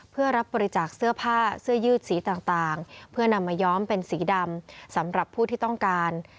เพื่อรับบริจาคเสื้อผ้าเสื้อยืดสีต่างเพื่อนำมาย้อมเป็นสีดำสำหรับผู้ที่ต้องการ